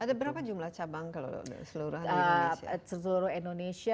ada berapa jumlah cabang kalau di seluruh indonesia